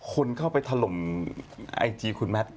คนเข้าไปถล่มไอจีคุณแมท